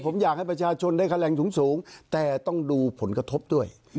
ผมอยากให้ประชาชนได้ค่าแรงสูงแต่ต้องดูผลกระทบด้วย